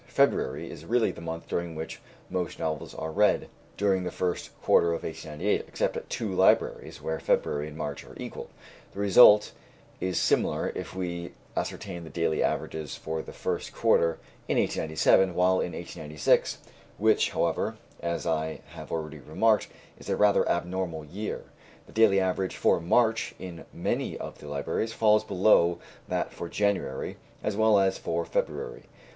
February is really the month during which most novels were read during the first quarter of 1898, except at two libraries, where February and March are equal. The result is similar if we ascertain the daily averages for the first quarter in 1897, while, in 1896 (which, however, as I have already remarked, is a rather abnormal year), the daily average for March in many of the libraries falls below that for January, as well as for February.